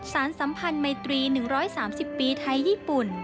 สัมพันธ์ไมตรี๑๓๐ปีไทยญี่ปุ่น